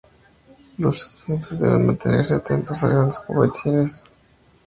Los estudiantes deben mantenerse atentos para grandes competiciones y otras oportunidades.